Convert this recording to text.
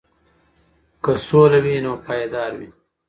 که سوله وي نو پایدار وي.